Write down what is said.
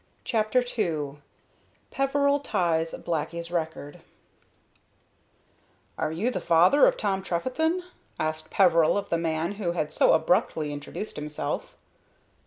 CHAPTER II PEVERIL TIES "BLACKY'S" RECORD "Are you the father of Tom Trefethen?" asked Peveril of the man who had so abruptly introduced himself.